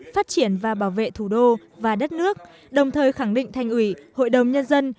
phát triển và bảo vệ thủ đô và đất nước đồng thời khẳng định thành ủy hội đồng nhân dân